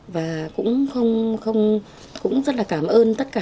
và cũng rất là cảm ơn tất cả